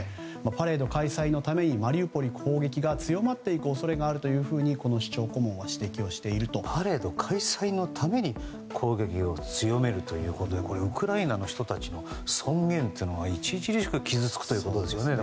パレード開催のためにマリウポリ攻撃が強まっていく恐れがあるとこの市長顧問はパレード開催のために攻撃を強めるということでウクライナの人たちの尊厳が著しく傷つくということですよね。